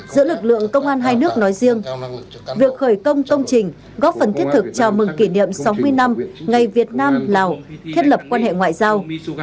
giữa lực lượng công an hai nước nói riêng việc khởi công công trình góp phần thiết thực chào mừng kỷ niệm sáu mươi năm ngày việt nam lào thiết lập quan hệ ngoại giao